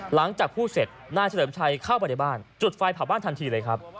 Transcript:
หลังจากพูดเสร็จนายเฉลิมชัยเข้าไปในบ้านจุดไฟเผาบ้านทันทีเลยครับ